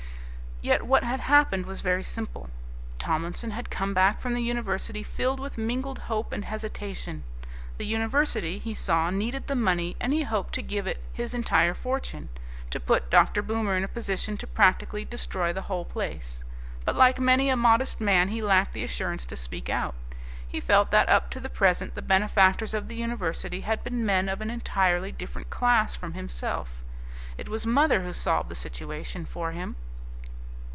Yet what had happened was very simple. Tomlinson had come back from the university filled with mingled hope and hesitation. The university, he saw, needed the money and he hoped to give it his entire fortune, to put Dr. Boomer in a position to practically destroy the whole place. But, like many a modest man, he lacked the assurance to speak out. He felt that up to the present the benefactors of the university had been men of an entirely different class from himself. It was mother who solved the situation for him.